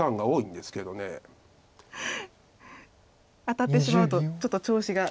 当たってしまうとちょっと調子が。